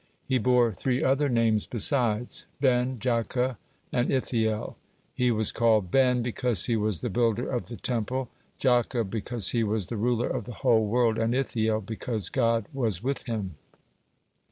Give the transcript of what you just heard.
He bore three other names besides: Ben, Jakeh, and Ithiel. He was called Ben because he was the builder of the Temple; Jakeh, because he was the ruler of the whole world; and Ithiel, because God was with him.